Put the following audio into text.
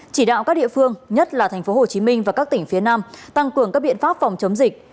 chỉ đạo các địa phương nhất là tp hcm và các tỉnh phía nam tăng cường các biện pháp phòng chống dịch